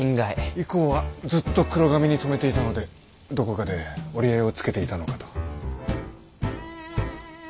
以降はずっと黒髪に染めていたのでどこかで折り合いをつけていたのかと。